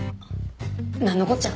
なんのこっちゃ。